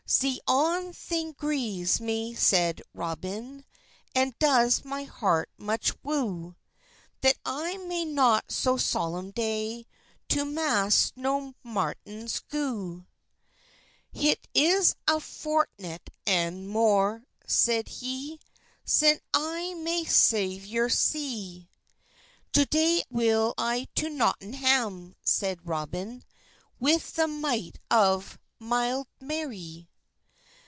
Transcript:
"Ze on thynge greves me," seid Robyne, "And does my hert mych woo, That I may not so solem day To mas nor matyns goo. "Hit is a fourtnet and more," seyd hee, "Syn I my Sauyour see; To day will I to Notyngham," seid Robyn, "With the myght of mylde Mary."